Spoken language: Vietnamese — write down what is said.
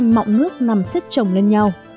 mọng nước nằm xếp trồng lên nhau